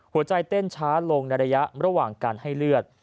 หัวใจเต้นช้าลงในระยะระหว่างการให้เลือด